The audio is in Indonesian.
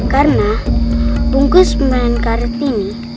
karena bungkus permen karet ini